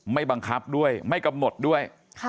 ไม่บังคับด้วยไม่กำหนดด้วย